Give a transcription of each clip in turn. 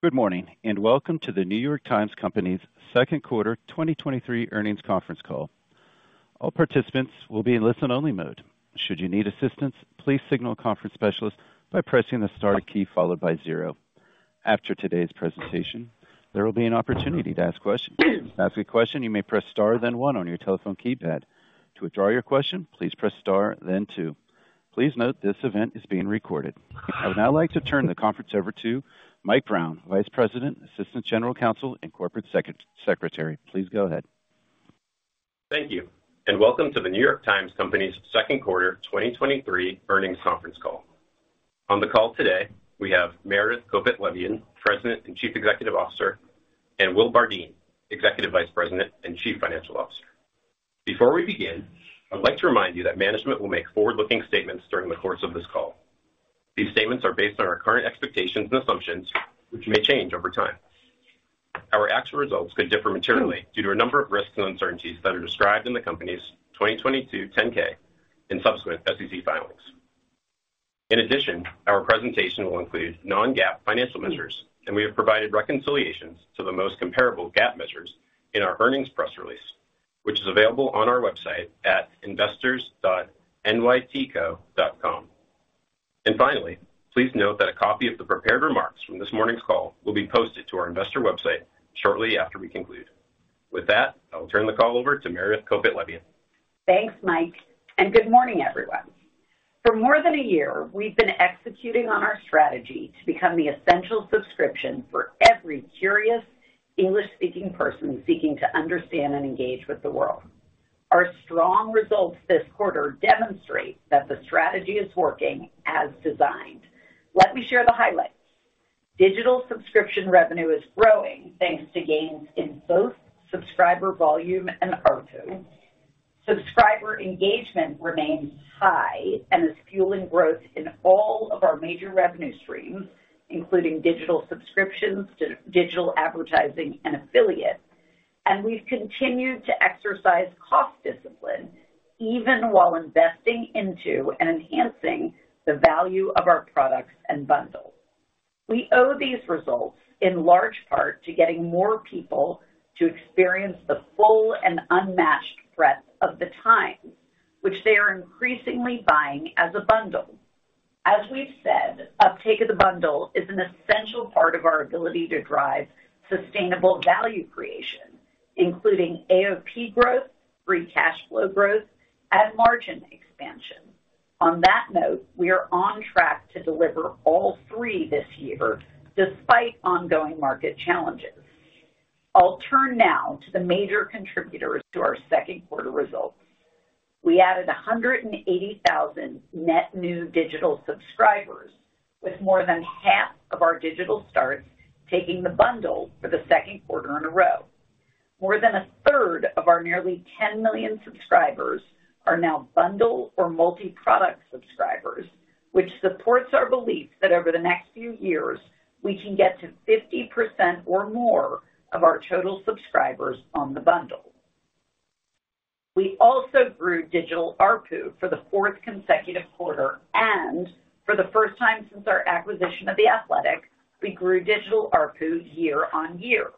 Good morning, welcome to The New York Times Company's second quarter 2023 earnings conference call. All participants will be in listen-only mode. Should you need assistance, please signal a conference specialist by pressing the star key followed by zero. After today's presentation, there will be an opportunity to ask questions. To ask a question, you may press star, then one on your telephone keypad. To withdraw your question, please press star then two. Please note this event is being recorded. I would now like to turn the conference over to Mike Brown, Vice President, Assistant General Counsel, and Corporate Secretary. Please go ahead. Thank you. Welcome to The New York Times Company's second quarter 2023 earnings conference call. On the call today, we have Meredith Kopit Levien, President and Chief Executive Officer, and Will Bardeen, Executive Vice President and Chief Financial Officer. Before we begin, I'd like to remind you that management will make forward-looking statements during the course of this call. These statements are based on our current expectations and assumptions, which may change over time. Our actual results could differ materially due to a number of risks and uncertainties that are described in the company's 2022 10-K and subsequent SEC filings. In addition, our presentation will include non-GAAP financial measures, and we have provided reconciliations to the most comparable GAAP measures in our earnings press release, which is available on our website at investors.nytco.com. Finally, please note that a copy of the prepared remarks from this morning's call will be posted to our investor website shortly after we conclude. With that, I will turn the call over to Meredith Kopit Levien. Thanks, Mike, and good morning, everyone. For more than a year, we've been executing on our strategy to become the essential subscription for every curious English-speaking person seeking to understand and engage with the world. Our strong results this quarter demonstrate that the strategy is working as designed. Let me share the highlights. Digital subscription revenue is growing thanks to gains in both subscriber volume and ARPU. Subscriber engagement remains high and is fueling growth in all of our major revenue streams, including digital subscriptions, digital advertising, and affiliate. We've continued to exercise cost discipline even while investing into and enhancing the value of our products and bundles. We owe these results in large part to getting more people to experience the full and unmatched breadth of The Times, which they are increasingly buying as a bundle. As we've said, uptake of the bundle is an essential part of our ability to drive sustainable value creation, including AOP growth, free cash flow growth, and margin expansion. On that note, we are on track to deliver all three this year, despite ongoing market challenges. I'll turn now to the major contributors to our second quarter results. We added 180,000 net new digital subscribers, with more than half of our digital starts taking the bundle for the second quarter in a row. More than a third of our nearly 10 million subscribers are now bundle or multiproduct subscribers, which supports our belief that over the next few years, we can get to 50% or more of our total subscribers on the bundle. We also grew digital ARPU for the fourth consecutive quarter, and for the first time since our acquisition of The Athletic, we grew digital ARPU year-on-year.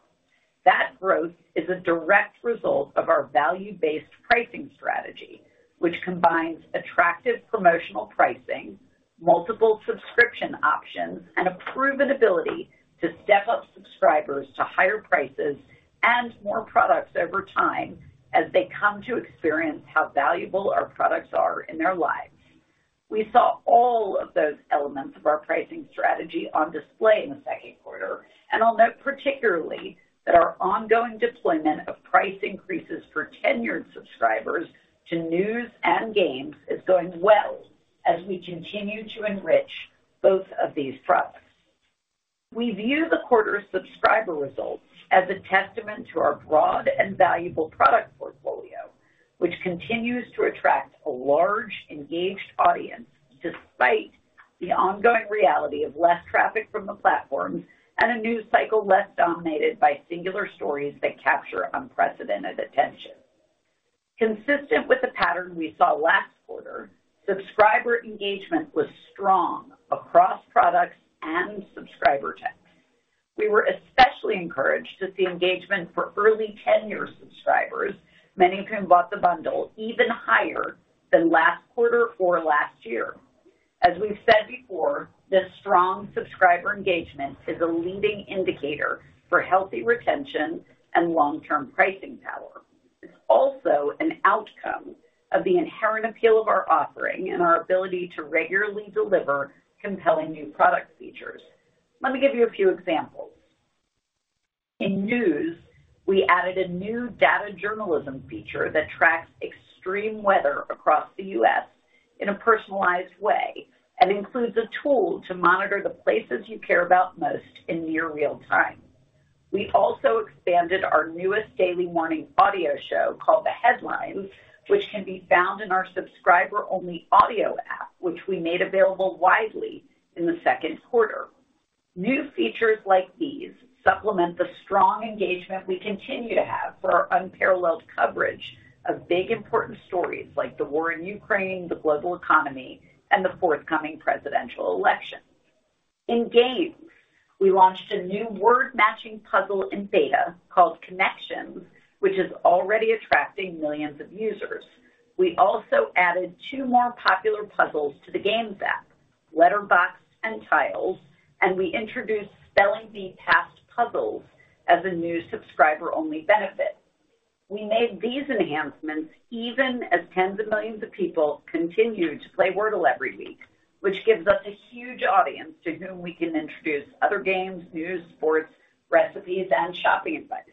That growth is a direct result of our value-based pricing strategy, which combines attractive promotional pricing, multiple subscription options, and a proven ability to step up subscribers to higher prices and more products over time as they come to experience how valuable our products are in their lives. We saw all of those elements of our pricing strategy on display in the second quarter, and I'll note particularly that our ongoing deployment of price increases for tenured subscribers to news and games is going well as we continue to enrich both of these products. We view the quarter's subscriber results as a testament to our broad and valuable product portfolio, which continues to attract a large, engaged audience, despite the ongoing reality of less traffic from the platforms and a news cycle less dominated by singular stories that capture unprecedented attention. Consistent with the pattern we saw last quarter, subscriber engagement was strong across products and subscriber types. We were especially encouraged to see engagement for early tenure subscribers, many of whom bought the bundle even higher than last quarter or last year. As we've said before, this strong subscriber engagement is a leading indicator for healthy retention and long-term pricing power. It's also an outcome of the inherent appeal of our offering and our ability to regularly deliver compelling new product features. Let me give you a few examples. In news, we added a new data journalism feature that tracks extreme weather across the U.S. in a personalized way and includes a tool to monitor the places you care about most in near real time. We also expanded our newest daily morning audio show, called The Headlines, which can be found in our subscriber-only audio app, which we made available widely in the 2nd quarter. New features like these supplement the strong engagement we continue to have for our unparalleled coverage of big, important stories like the war in Ukraine, the global economy, and the forthcoming presidential election. In games, we launched a new word-matching puzzle in beta called Connections, which is already attracting millions of users. We also added two more popular puzzles to the games app, Letter Boxed and Tiles, and we introduced Spelling Bee Past Puzzles as a new subscriber-only benefit. We made these enhancements even as tens of millions of people continue to play Wordle every week, which gives us a huge audience to whom we can introduce other games, news, sports, recipes, and shopping advice.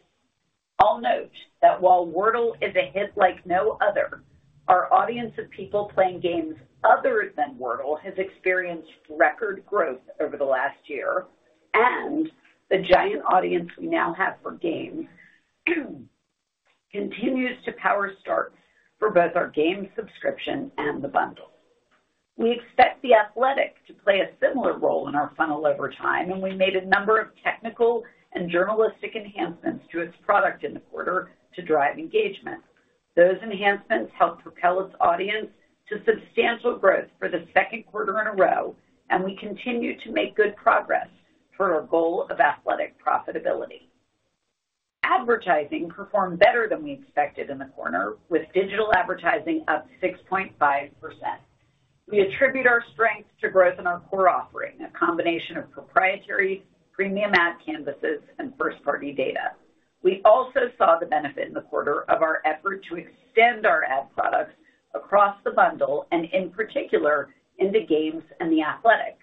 I'll note that while Wordle is a hit like no other, our audience of people playing games other than Wordle has experienced record growth over the last year. The giant audience we now have for games continues to power starts for both our game subscription and the bundle. We expect The Athletic to play a similar role in our funnel over time. We made a number of technical and journalistic enhancements to its product in the quarter to drive engagement. Those enhancements helped propel its audience to substantial growth for the second quarter in a row. We continue to make good progress for our goal of Athletic profitability. Advertising performed better than we expected in the quarter, with digital advertising up 6.5%. We attribute our strength to growth in our core offering, a combination of proprietary premium ad canvases and first-party data. We also saw the benefit in the quarter of our effort to extend our ad products across the bundle, and in particular, into games and The Athletic.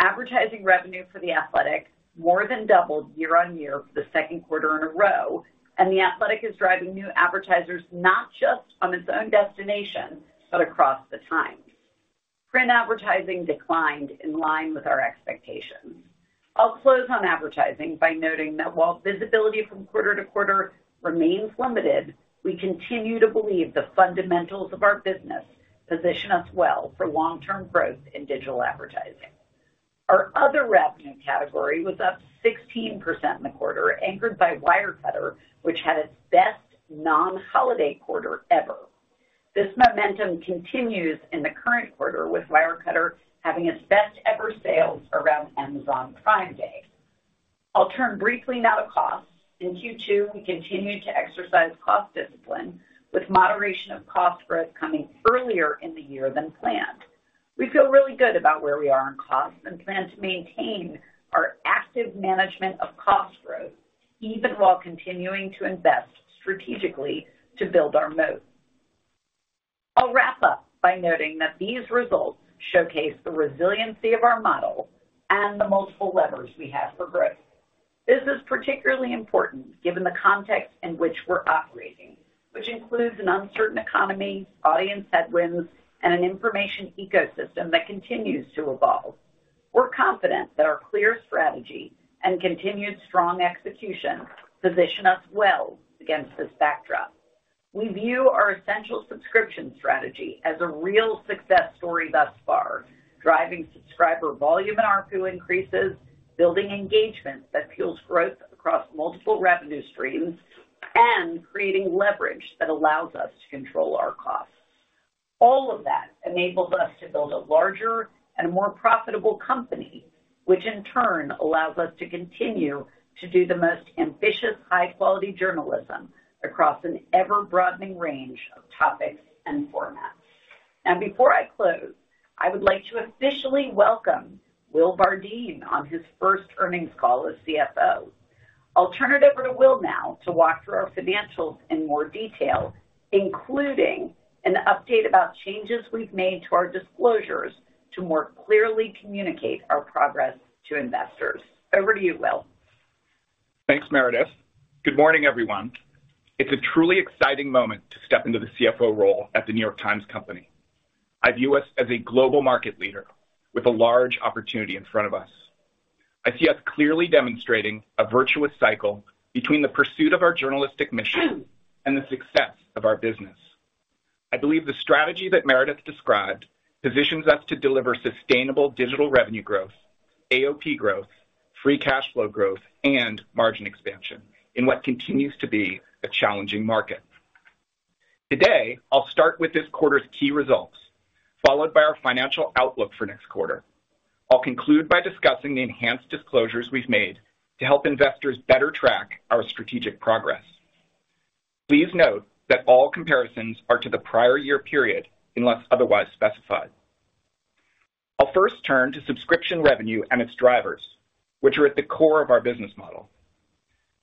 Advertising revenue for The Athletic more than doubled year-on-year for the second quarter in a row, and The Athletic is driving new advertisers not just on its own destination, but across the Times. Print advertising declined in line with our expectations. I'll close on advertising by noting that while visibility from quarter-to-quarter remains limited, we continue to believe the fundamentals of our business position us well for long-term growth in digital advertising. Our other revenue category was up 16% in the quarter, anchored by Wirecutter, which had its best non-holiday quarter ever. This momentum continues in the current quarter, with Wirecutter having its best-ever sales around Amazon Prime Day. I'll turn briefly now to costs. In Q2, we continued to exercise cost discipline, with moderation of cost growth coming earlier in the year than planned. We feel really good about where we are on costs and plan to maintain our active management of cost growth, even while continuing to invest strategically to build our moat. I'll wrap up by noting that these results showcase the resiliency of our model and the multiple levers we have for growth. This is particularly important given the context in which we're operating, which includes an uncertain economy, audience headwinds, and an information ecosystem that continues to evolve. We're confident that our clear strategy and continued strong execution position us well against this backdrop. We view our essential subscription strategy as a real success story thus far, driving subscriber volume and ARPU increases, building engagement that fuels growth across multiple revenue streams, and creating leverage that allows us to control our costs. All of that enables us to build a larger and more profitable company, which in turn allows us to continue to do the most ambitious, high-quality journalism across an ever-broadening range of topics and formats. Before I close, I would like to officially welcome Will Bardeen on his first earnings call as CFO. I'll turn it over to Will now to walk through our financials in more detail, including an update about changes we've made to our disclosures to more clearly communicate our progress to investors. Over to you, Will. Thanks, Meredith. Good morning, everyone. It's a truly exciting moment to step into the CFO role at The New York Times Company. I view us as a global market leader with a large opportunity in front of us. I see us clearly demonstrating a virtuous cycle between the pursuit of our journalistic mission and the success of our business. I believe the strategy that Meredith described positions us to deliver sustainable digital revenue growth, AOP growth, free cash flow growth, and margin expansion in what continues to be a challenging market. Today, I'll start with this quarter's key results, followed by our financial outlook for next quarter. I'll conclude by discussing the enhanced disclosures we've made to help investors better track our strategic progress. Please note that all comparisons are to the prior year period, unless otherwise specified. I'll first turn to subscription revenue and its drivers, which are at the core of our business model.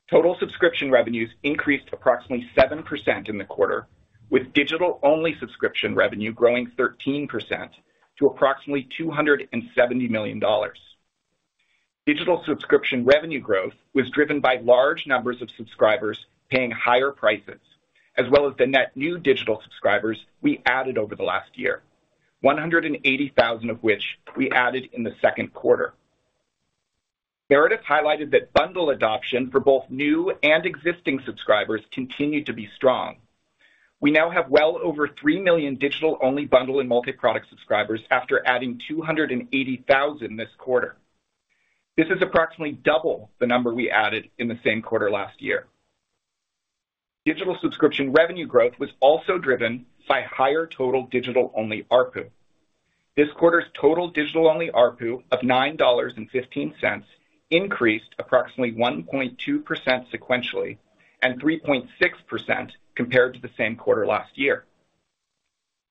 Total subscription revenues increased approximately 7% in the quarter, with digital-only subscription revenue growing 13% to approximately $270 million. Digital subscription revenue growth was driven by large numbers of subscribers paying higher prices, as well as the net new digital subscribers we added over the last year, 180,000 of which we added in the second quarter. Meredith highlighted that bundle adoption for both new and existing subscribers continued to be strong. We now have well over 3 million digital-only bundle and multi-product subscribers after adding 280,000 this quarter. This is approximately double the number we added in the same quarter last year. Digital subscription revenue growth was also driven by higher total digital-only ARPU. This quarter's total digital-only ARPU of $9.15 increased approximately 1.2% sequentially and 3.6% compared to the same quarter last year.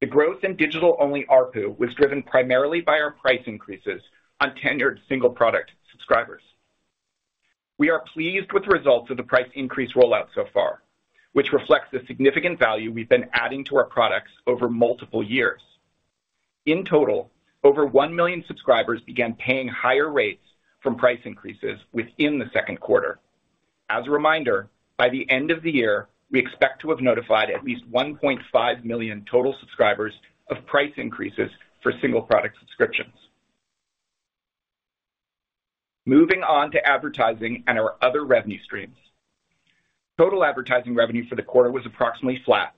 The growth in digital-only ARPU was driven primarily by our price increases on tenured single-product subscribers. We are pleased with the results of the price increase rollout so far, which reflects the significant value we've been adding to our products over multiple years. In total, over 1 million subscribers began paying higher rates from price increases within Q2. As a reminder, by the end of the year, we expect to have notified at least 1.5 million total subscribers of price increases for single-product subscriptions. Moving on to advertising and our other revenue streams. Total advertising revenue for the quarter was approximately flat,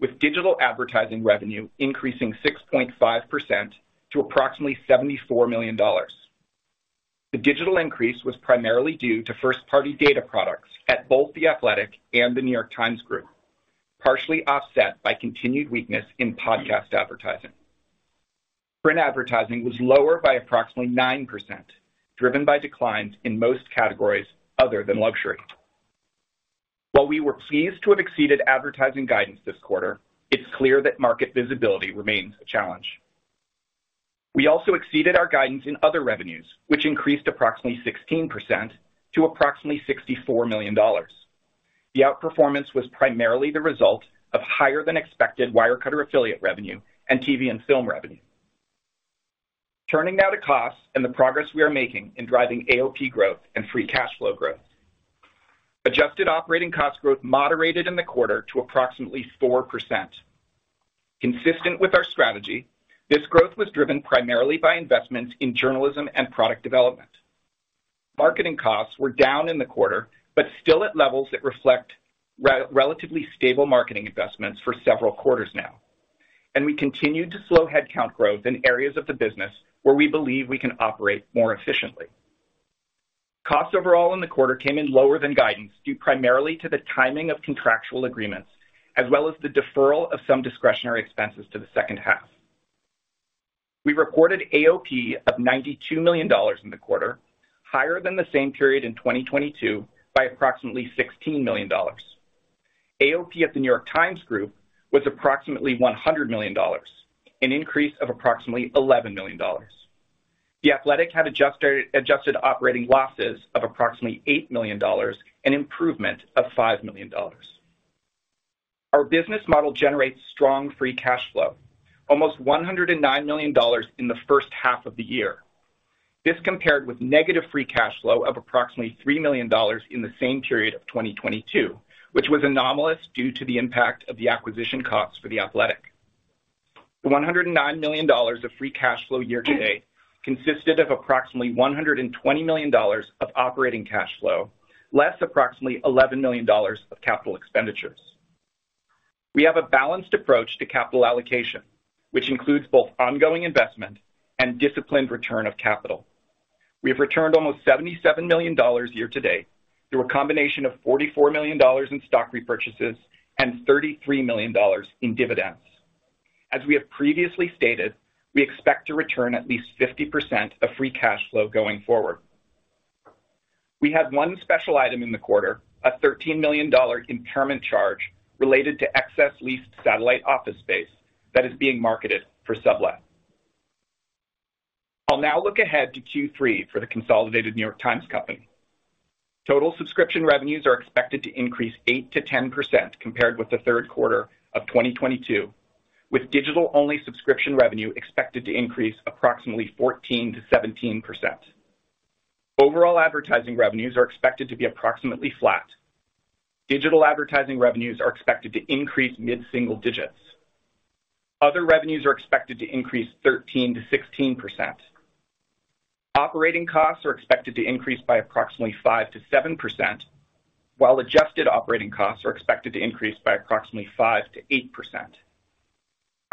with digital advertising revenue increasing 6.5% to approximately $74 million. The digital increase was primarily due to first-party data products at both The Athletic and the New York Times Group, partially offset by continued weakness in podcast advertising. Print advertising was lower by approximately 9%, driven by declines in most categories other than luxury. While we were pleased to have exceeded advertising guidance this quarter, it's clear that market visibility remains a challenge. We also exceeded our guidance in other revenues, which increased approximately 16% to approximately $64 million. The outperformance was primarily the result of higher-than-expected Wirecutter affiliate revenue and TV and film revenue. Turning now to costs and the progress we are making in driving AOP growth and free cash flow growth. Adjusted operating cost growth moderated in the quarter to approximately 4%. Consistent with our strategy, this growth was driven primarily by investments in journalism and product development. Marketing costs were down in the quarter, still at levels that reflect relatively stable marketing investments for several quarters now. We continued to slow headcount growth in areas of the business where we believe we can operate more efficiently. Costs overall in the quarter came in lower than guidance, due primarily to the timing of contractual agreements, as well as the deferral of some discretionary expenses to the second half. We reported AOP of $92 million in the quarter, higher than the same period in 2022 by approximately $16 million. AOP at The New York Times Group was approximately $100 million, an increase of approximately $11 million. The Athletic had adjusted operating losses of approximately $8 million, an improvement of $5 million. Our business model generates strong free cash flow, almost $109 million in the first half of the year. This compared with negative free cash flow of approximately $3 million in the same period of 2022, which was anomalous due to the impact of the acquisition costs for The Athletic. The $109 million of free cash flow year-to-date consisted of approximately $120 million of operating cash flow, less approximately $11 million of capital expenditures. We have a balanced approach to capital allocation, which includes both ongoing investment and disciplined return of capital. We have returned almost $77 million year-to-date, through a combination of $44 million in stock repurchases and $33 million in dividends. As we have previously stated, we expect to return at least 50% of free cash flow going forward. We had one special item in the quarter, a $13 million impairment charge related to excess leased satellite office space that is being marketed for sublet. I'll now look ahead to Q3 for the consolidated The New York Times Company. Total subscription revenues are expected to increase 8%-10% compared with the third quarter of 2022, with digital-only subscription revenue expected to increase approximately 14%-17%. Overall advertising revenues are expected to be approximately flat. Digital advertising revenues are expected to increase mid-single digits. Other revenues are expected to increase 13%-16%. Operating costs are expected to increase by approximately 5%-7%, while adjusted operating costs are expected to increase by approximately 5%-8%.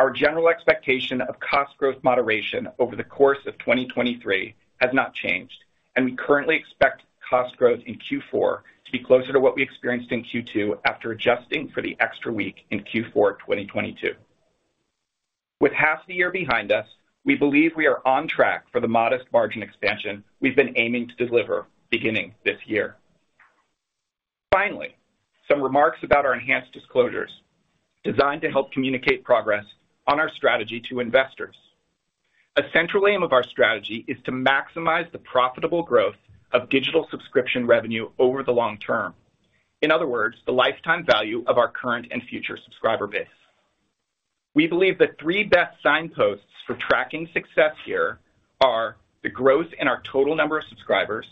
Our general expectation of cost growth moderation over the course of 2023 has not changed, and we currently expect cost growth in Q4 to be closer to what we experienced in Q2 after adjusting for the extra week in Q4 of 2022. With half the year behind us, we believe we are on track for the modest margin expansion we've been aiming to deliver beginning this year. Finally, some remarks about our enhanced disclosures, designed to help communicate progress on our strategy to investors. A central aim of our strategy is to maximize the profitable growth of digital subscription revenue over the long term. In other words, the lifetime value of our current and future subscriber base. We believe the three best signposts for tracking success here are the growth in our total number of subscribers,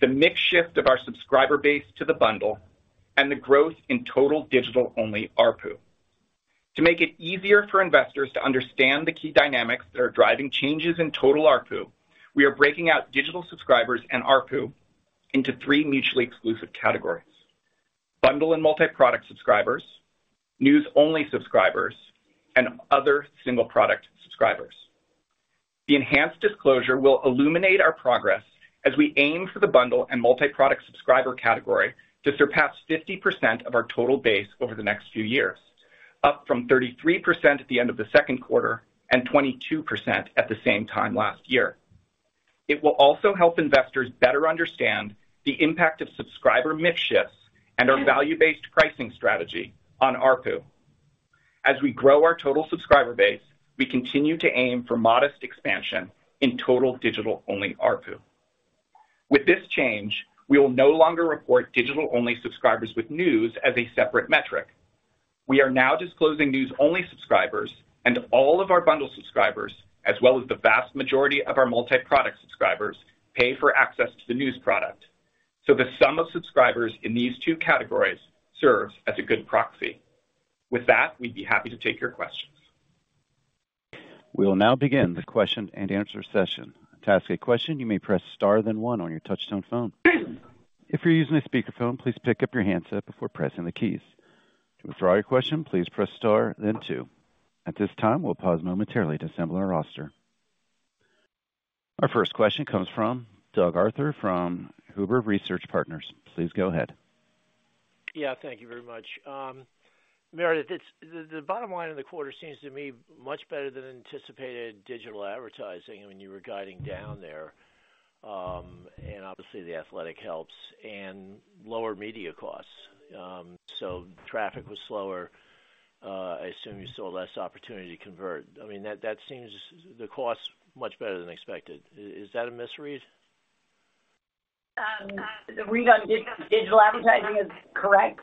the mix shift of our subscriber base to the bundle, and the growth in total digital-only ARPU. To make it easier for investors to understand the key dynamics that are driving changes in total ARPU, we are breaking out digital subscribers and ARPU into three mutually exclusive categories: bundle and multi-product subscribers, news-only subscribers, and other single-product subscribers. The enhanced disclosure will illuminate our progress as we aim for the bundle and multi-product subscriber category to surpass 50% of our total base over the next few years, up from 33% at the end of the second quarter and 22% at the same time last year. It will also help investors better understand the impact of subscriber mix shifts and our value-based pricing strategy on ARPU. As we grow our total subscriber base, we continue to aim for modest expansion in total digital-only ARPU. With this change, we will no longer report digital-only subscribers with news as a separate metric. We are now disclosing news-only subscribers, and all of our bundle subscribers, as well as the vast majority of our multi-product subscribers, pay for access to the news product, so the sum of subscribers in these two categories serves as a good proxy. With that, we'd be happy to take your questions. We will now begin the question-and-answer session. To ask a question, you may press star then one on your touchtone phone. If you're using a speakerphone, please pick up your handset before pressing the keys. To withdraw your question, please press star then two. At this time, we'll pause momentarily to assemble our roster. Our first question comes from Doug Arthur from Huber Research Partners. Please go ahead. Yeah, thank you very much. Meredith, it's the, the bottom line in the quarter seems to me much better than anticipated digital advertising when you were guiding down there, and obviously, The Athletic helps and lower media costs. Traffic was slower. I assume you saw less opportunity to convert. I mean, that, that seems the cost much better than expected. Is, is that a misread? The read on digital advertising is correct.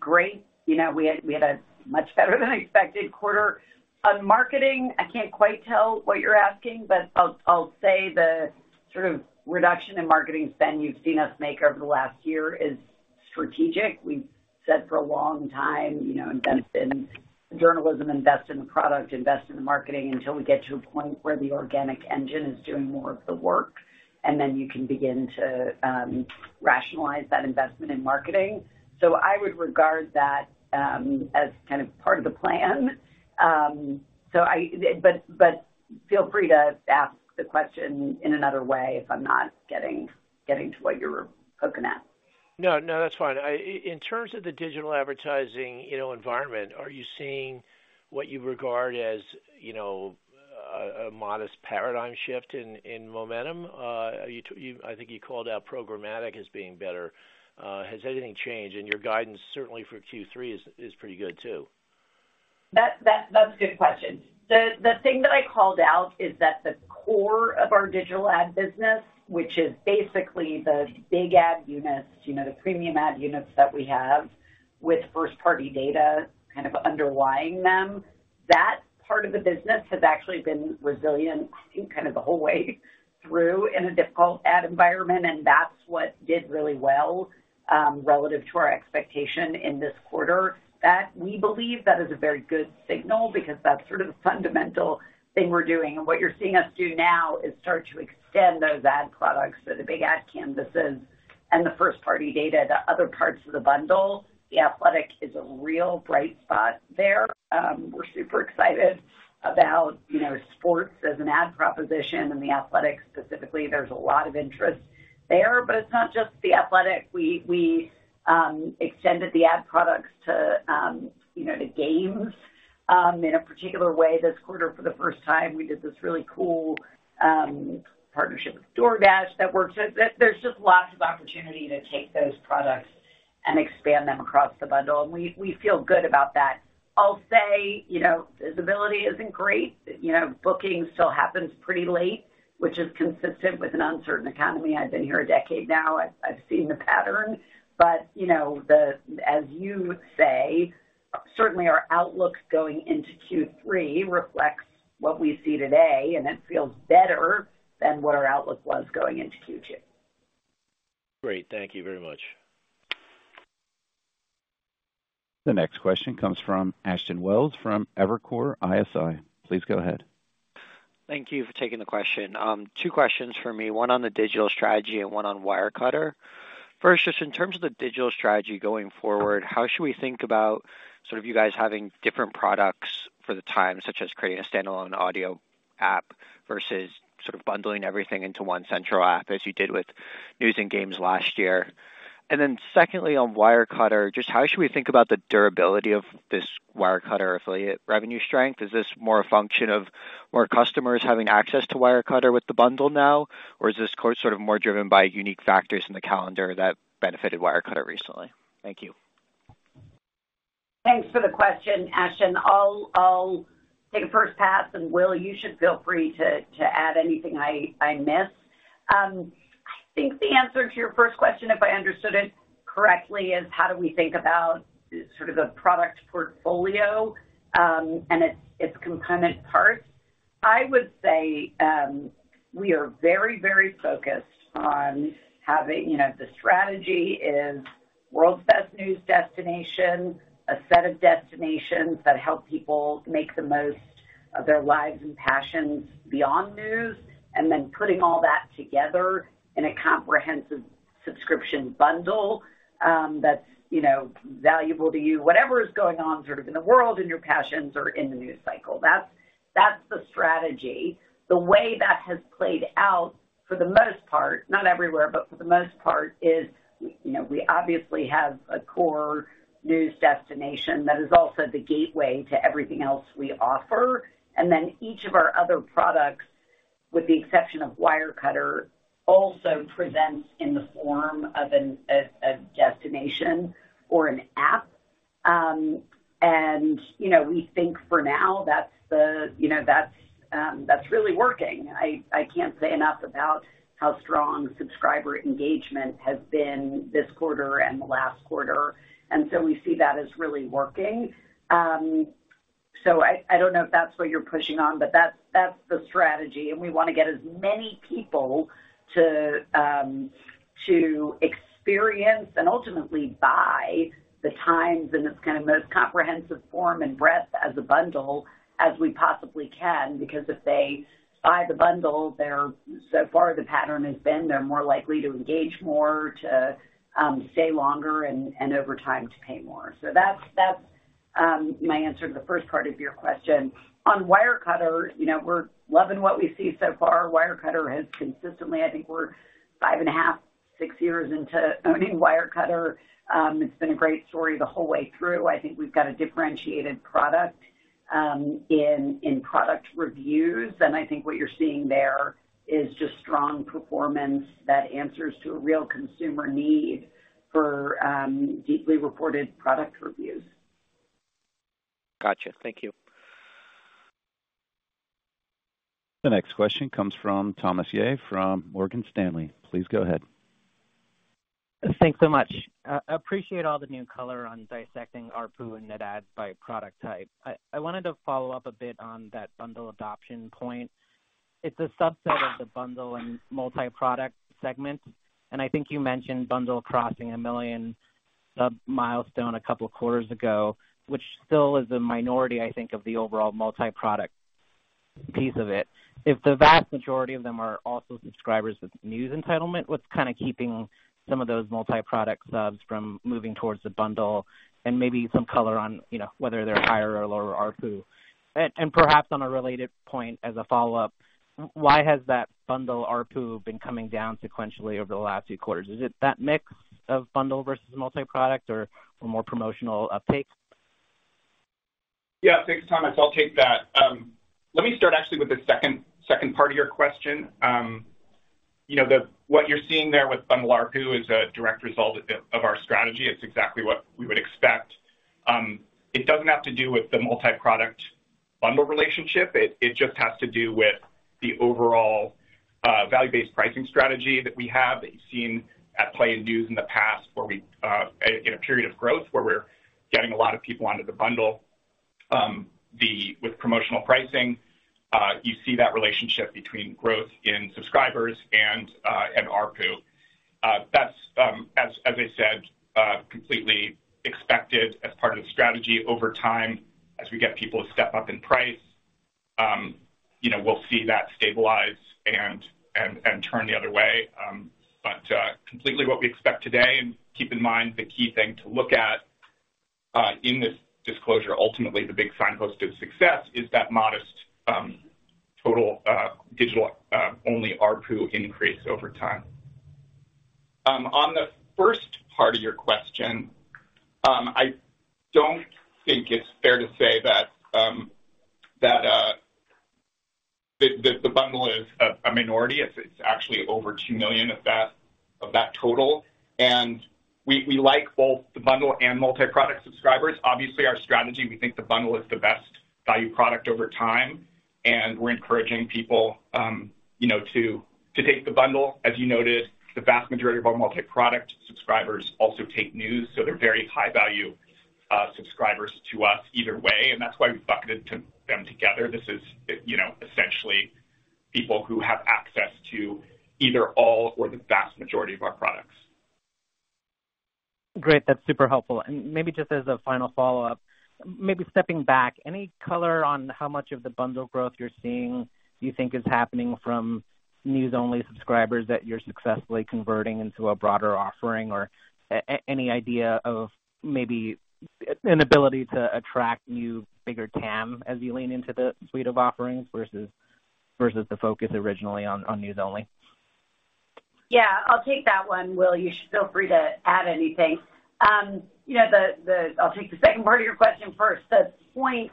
Great. You know, we had, we had a much better than expected quarter. On marketing, I can't quite tell what you're asking, but I'll, I'll say the sort of reduction in marketing spend you've seen us make over the last year is strategic. We've said for a long time, you know, invest in journalism, invest in the product, invest in the marketing until we get to a point where the organic engine is doing more of the work, and then you can begin to rationalize that investment in marketing. I would regard that as kind of part of the plan. But, but feel free to ask the question in another way if I'm not getting, getting to what you're poking at. No, no, that's fine. In terms of the digital advertising, you know, environment, are you seeing what you regard as, you know, a modest paradigm shift in, in momentum? I think you called out programmatic as being better. Has anything changed? Your guidance, certainly for Q3 is, is pretty good, too. That's a good question. The thing that I called out is that the core of our digital ad business, which is basically the big ad units, you know, the premium ad units that we have with first-party data kind of underlying them, that part of the business has actually been resilient in kind of the whole way through in a difficult ad environment, and that's what did really well, relative to our expectation in this quarter. That we believe that is a very good signal because that's sort of the fundamental thing we're doing. What you're seeing us do now is start to extend those ad products, so the big ad canvases and the first-party data, the other parts of the bundle. The Athletic is a real bright spot there. We're super excited about, you know, sports as an ad proposition and The Athletic specifically. There's a lot of interest there, but it's not just The Athletic. We, we extended the ad products to, you know, to games in a particular way this quarter for the first time. We did this really cool partnership with DoorDash that works. There, there's just lots of opportunity to take those products and expand them across the bundle, and we, we feel good about that. I'll say, you know, visibility isn't great. You know, booking still happens pretty late, which is consistent with an uncertain economy. I've been here a decade now. I've, I've seen the pattern, you know, as you say, certainly our outlook going into Q3 reflects what we see today, and it feels better than what our outlook was going into Q2. Great. Thank you very much. The next question comes from Ashton Welles from Evercore ISI. Please go ahead. Thank you for taking the question. 2 questions for me, 1 on the digital strategy and 1 on Wirecutter. First, just in terms of the digital strategy going forward, how should we think about you guys having different products for the time, such as creating a standalone audio app versus bundling everything into 1 central app, as you did with news and games last year? Secondly, on Wirecutter, just how should we think about the durability of this Wirecutter affiliate revenue strength? Is this more a function of more customers having access to Wirecutter with the bundle now, or is this more driven by unique factors in the calendar that benefited Wirecutter recently? Thank you. Thanks for the question, Ashton. I'll, I'll take a first pass, and Will, you should feel free to, to add anything I, I miss. I think the answer to your first question, if I understood it correctly, is how do we think about sort of the product portfolio, and its, its component parts? I would say, we are very, very focused on having. You know, the strategy is world's best news destination, a set of destinations that help people make the most of their lives and passions beyond news, and then putting all that together in a comprehensive subscription bundle, that's, you know, valuable to you. Whatever is going on sort of in the world, in your passions or in the news cycle, that's, that's the strategy. The way that has played out, for the most part, not everywhere, but for the most part, is, you know, we obviously have a core news destination that is also the gateway to everything else we offer. Then each of our other products, with the exception of Wirecutter, also presents in the form of a destination or an app. You know, we think for now, that's the, you know, that's really working. I, I can't say enough about how strong subscriber engagement has been this quarter and the last quarter, and so we see that as really working. I, I don't know if that's what you're pushing on, but that's, that's the strategy, and we want to get as many people to experience and ultimately buy the Times in its kind of most comprehensive form and breadth as a bundle as we possibly can, because if they buy the bundle, they're so far, the pattern has been they're more likely to engage more, to stay longer and over time to pay more. That's, that's my answer to the first part of your question. On Wirecutter, you know, we're loving what we see so far. Wirecutter has consistently I think we're 5.5, 6 years into owning Wirecutter. It's been a great story the whole way through. I think we've got a differentiated product, in, in product reviews, and I think what you're seeing there is just strong performance that answers to a real consumer need for, deeply reported product reviews. Gotcha. Thank you. The next question comes from Thomas Yeh from Morgan Stanley. Please go ahead. Thanks so much. I appreciate all the new color on dissecting ARPU and net adds by product type. I, I wanted to follow up a bit on that bundle adoption point. It's a subset of the bundle and multiproduct segment, and I think you mentioned bundle crossing a 1 million sub milestone 2 quarters ago, which still is a minority, I think, of the overall multiproduct piece of it. If the vast majority of them are also subscribers with news entitlement, what's kind of keeping some of those multiproduct subs from moving towards the bundle? And maybe some color on, you know, whether they're higher or lower ARPU. And, and perhaps on a related point, as a follow-up, why has that bundle ARPU been coming down sequentially over the last few quarters? Is it that mix of bundle versus multiproduct or, or more promotional uptake? Yeah, thanks, Thomas. I'll take that. Let me start actually with the second, second part of your question. You know, what you're seeing there with bundle ARPU is a direct result of, of our strategy. It's exactly what we would expect. It doesn't have to do with the multiproduct bundle relationship. It, it just has to do with the overall value-based pricing strategy that we have, that you've seen at play in news in the past, where we in a period of growth, where we're getting a lot of people onto the bundle, with promotional pricing, you see that relationship between growth in subscribers and ARPU. That's, as, as I said, completely expected as part of the strategy over time. As we get people to step up in price, you know, we'll see that stabilize and, and, and turn the other way, but completely what we expect today. Keep in mind, the key thing to look at in this disclosure, ultimately, the big signpost of success is that modest total digital only ARPU increase over time. On the first part of your question, I don't think it's fair to say that the bundle is a minority. It's, it's actually over 2 million of that, of that total, and we like both the bundle and multiproduct subscribers. Obviously, our strategy, we think the bundle is the best value product over time, and we're encouraging people, you know, to take the bundle. As you noted, the vast majority of our multiproduct subscribers also take news, so they're very high-value, subscribers to us either way, and that's why we bucketed them together. This is, you know, essentially people who have access to either all or the vast majority of our products. Great, that's super helpful. Maybe just as a final follow-up, maybe stepping back, any color on how much of the bundle growth you're seeing you think is happening from news-only subscribers that you're successfully converting into a broader offering? Any idea of maybe an ability to attract new, bigger TAM as you lean into the suite of offerings versus, versus the focus originally on, on news only? Yeah, I'll take that one, Will. You should feel free to add anything. You know, the, the- I'll take the second part of your question first. The point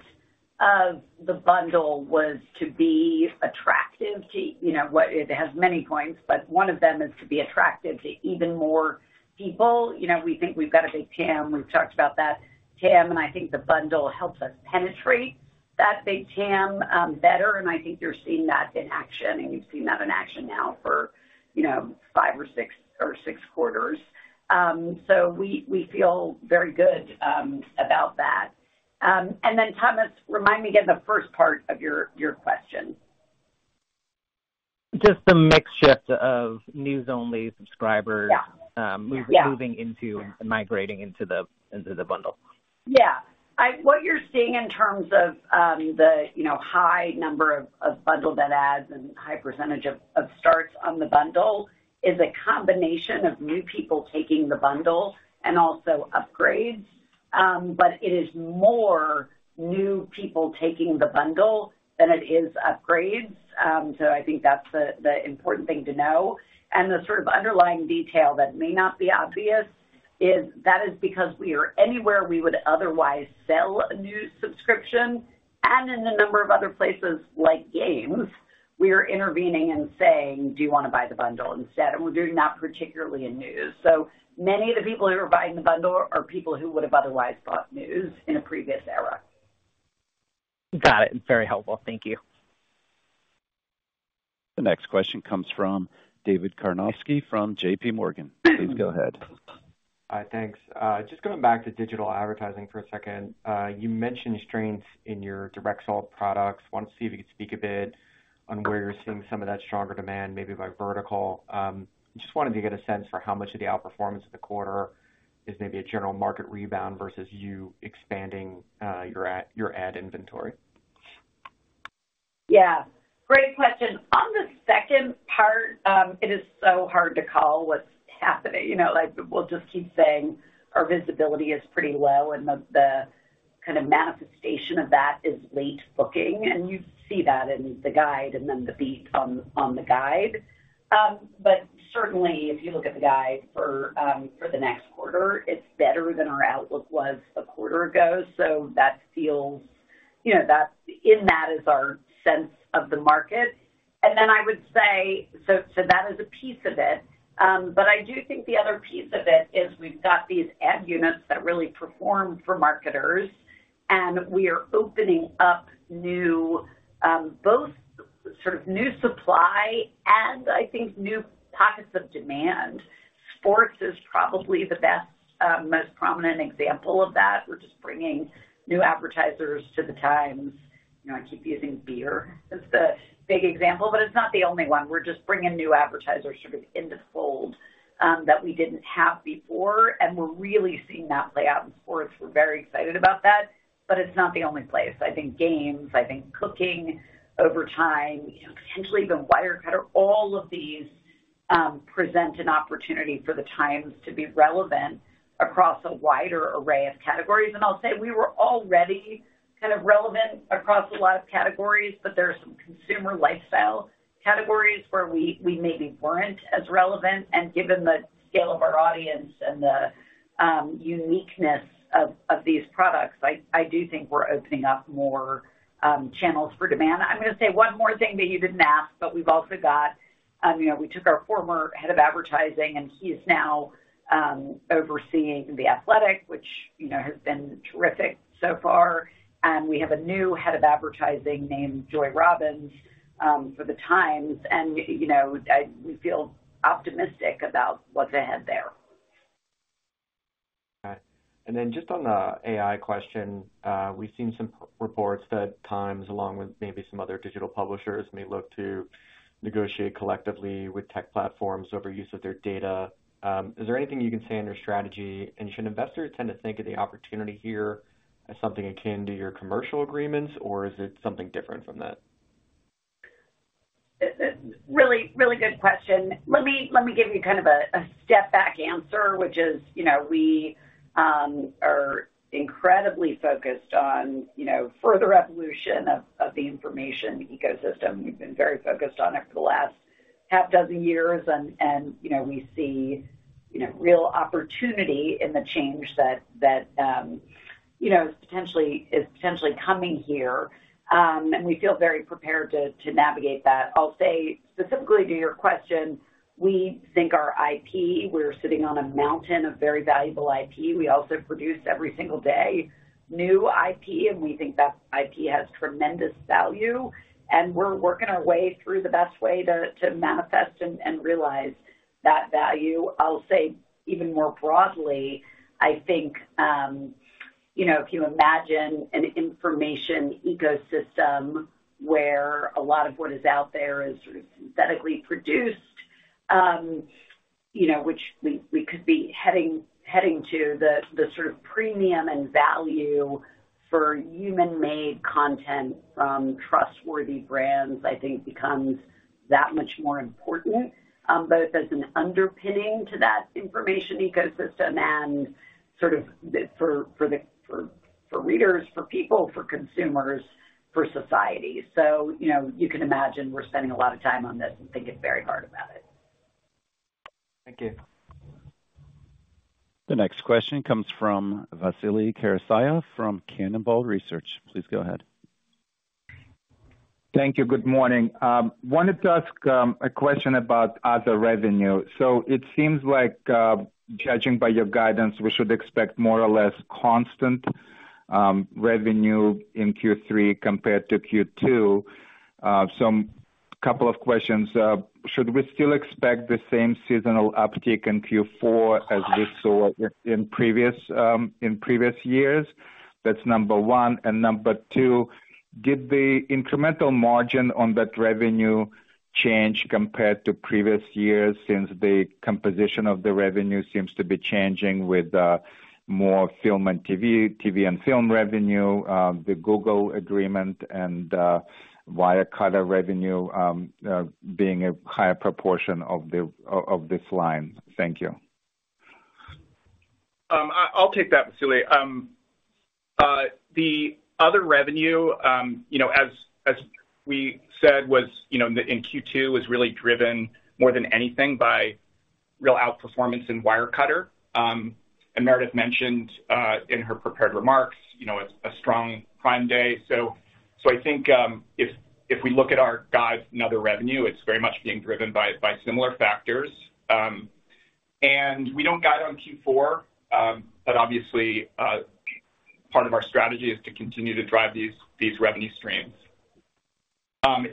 of the bundle was to be attractive to, you know, well it has many points, but one of them is to be attractive to even more people. You know, we think we've got a big TAM. We've talked about that TAM, and I think the bundle helps us penetrate that big TAM better, and I think you're seeing that in action, and we've seen that in action now for, you know, 5 or 6- or 6 quarters. So we, we feel very good about that. Then, Thomas, remind me again the first part of your, your question? Just a mix shift of news-only subscribers- Yeah. moving into and migrating into the bundle. Yeah. I what you're seeing in terms of, the, you know, high number of, of bundle that adds and high percentage of, of starts on the bundle is a combination of new people taking the bundle and also upgrades. It is more new people taking the bundle than it is upgrades. I think that's the important thing to know. The sort of underlying detail that may not be obvious is that is because we are anywhere we would otherwise sell a news subscription, and in a number of other places, like games, we are intervening and saying: Do you want to buy the bundle instead? We're doing that particularly in news. Many of the people who are buying the bundle are people who would have otherwise bought news in a previous era. Got it. Very helpful. Thank you. The next question comes from David Karnovsky from J.P. Morgan. Please go ahead. Hi, thanks. Just going back to digital advertising for a second. You mentioned strengths in your direct sell products. Wanted to see if you could speak a bit on where you're seeing some of that stronger demand, maybe by vertical? Just wanted to get a sense for how much of the outperformance of the quarter is maybe a general market rebound versus you expanding, your ad, your ad inventory? Yeah, great question. On the second part, it is so hard to call what's happening. You know, like, we'll just keep saying our visibility is pretty low, and the, the kind of manifestation of that is late booking, and you see that in the guide and then the beat on, on the guide. Certainly, if you look at the guide for, for the next quarter, it's better than our outlook was a quarter ago. That feels, you know, in that is our sense of the market. I would say, so, so that is a piece of it, but I do think the other piece of it is we've got these ad units that really perform for marketers, and we are opening up new, both sort of new supply and I think new pockets of demand. Sports is probably the best, most prominent example of that. We're just bringing new advertisers to The Times. You know, I keep using beer as the big example, but it's not the only one. We're just bringing new advertisers sort of into fold that we didn't have before, and we're really seeing that play out in sports. We're very excited about that, but it's not the only place. I think games, I think cooking over time, you know, potentially even Wirecutter, all of these present an opportunity for The Times to be relevant across a wider array of categories. I'll say we were already kind of relevant across a lot of categories, but there are some consumer lifestyle categories where we, we maybe weren't as relevant, and given the scale of our audience and the uniqueness of these products, I, I do think we're opening up more channels for demand. I'm going to say one more thing that you didn't ask. We've also got, you know, we took our former head of advertising, and he is now overseeing The Athletic, which, you know, has been terrific so far. We have a new head of advertising named Joy Robins for The Times, and, you know, I, we feel optimistic about what's ahead there. Got it. Then just on the AI question, we've seen some reports that Times, along with maybe some other digital publishers, may look to negotiate collectively with tech platforms over use of their data. Is there anything you can say on your strategy? Should investors tend to think of the opportunity here as something akin to your commercial agreements, or is it something different from that? Really, really good question. Let me, let me give you kind of a, a step back answer, which is, you know, we are incredibly focused on, you know, further evolution of, of the information ecosystem. We've been very focused on it for the last 6 years, and, and, you know, we see, you know, real opportunity in the change that, that, you know, is potentially, is potentially coming here. We feel very prepared to, to navigate that. I'll say specifically to your question, we think our IP, we're sitting on a mountain of very valuable IP. We also produce every single day new IP, and we think that IP has tremendous value, and we're working our way through the best way to, to manifest and, and realize that value. I'll say even more broadly, I think, you know, if you imagine an information ecosystem where a lot of what is out there is synthetically produced, you know, which we, we could be heading to the, the sort of premium and value for human-made content from trustworthy brands, I think becomes that much more important, both as an underpinning to that information ecosystem and sort of for the, for readers, for people, for consumers, for society. You know, you can imagine we're spending a lot of time on this and thinking very hard about it. Thank you. The next question comes from Vasily Karasyov from Cannonball Research. Please go ahead. Thank you. Good morning. Wanted to ask a question about other revenue. So it seems like judging by your guidance, we should expect more or less constant revenue in Q3 compared to Q2. Some couple of questions. Should we still expect the same seasonal uptick in Q4 as we saw in previous years? That's number one. Number two, did the incremental margin on that revenue change compared to previous years, since the composition of the revenue seems to be changing with more film and TV, TV and film revenue, the Google agreement and Wirecutter revenue being a higher proportion of this line? Thank you. I, I'll take that, Vasily. The other revenue, you know, as, as we said, was, you know, in Q2, was really driven more than anything by real outperformance in Wirecutter. Meredith mentioned, in her prepared remarks, you know, a, a strong Prime Day. So I think, if, if we look at our guide and other revenue, it's very much being driven by, by similar factors. We don't guide on Q4, but obviously, part of our strategy is to continue to drive these, these revenue streams.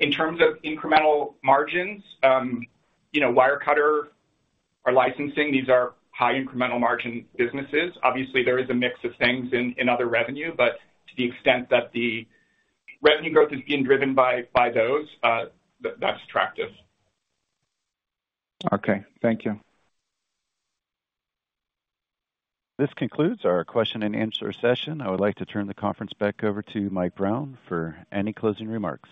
In terms of incremental margins, you know, Wirecutter, our licensing, these are high incremental margin businesses. Obviously, there is a mix of things in, in other revenue, but to the extent that the revenue growth is being driven by, by those, that, that's attractive. Okay. Thank you. This concludes our question and answer session. I would like to turn the conference back over to Mike Brown for any closing remarks.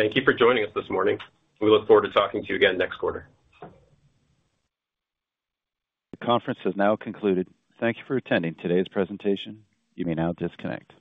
Thank you for joining us this morning. We look forward to talking to you again next quarter. The conference has now concluded. Thank you for attending today's presentation. You may now disconnect.